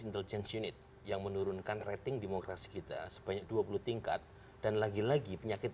intelligence unit yang menurunkan rating demokrasi kita sebanyak dua puluh tingkat dan lagi lagi penyakit